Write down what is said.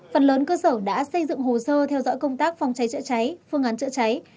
phần lớn cơ sở đã xây dựng hồ sơ theo dõi công tác phòng cháy chữa cháy phương án chữa cháy